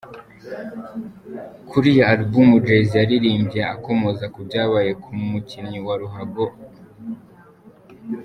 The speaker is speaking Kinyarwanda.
Kuri iyi album Jay Z yaririmbye akomoza ku byabaye ku mukinnyi wa ruhago O.